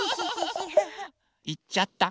いっちゃった。